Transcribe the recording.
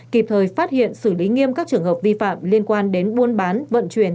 kịp thời phát hiện xử lý nghiêm các trường hợp vi phạm liên quan đến buôn bán